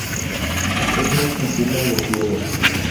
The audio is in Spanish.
Es muy sensible a los hielos.